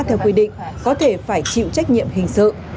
theo quy định có thể phải chịu trách nhiệm hình sự